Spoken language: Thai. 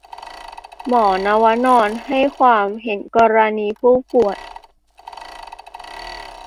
หมอนวนรรณให้ความเห็นกรณีข้อมูลผู้ป่วย